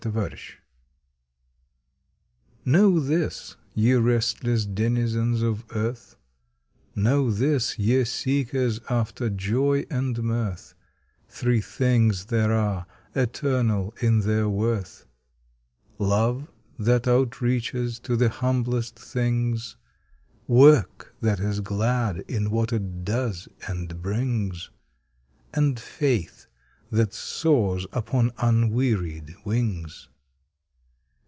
THREE THINGS Know this, ye restless denizens of earth, Know this, ye seekers after joy and mirth, Three things there are, eternal in their worth. Love, that outreaches to the humblest things; Work that is glad, in what it does and brings; And faith that soars upon unwearied wings.